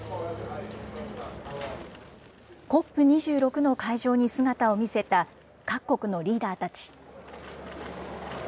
ＣＯＰ２６の会場に姿を見せた、各国のリーダーたち。